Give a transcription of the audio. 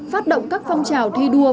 phát động các phong trào thi đua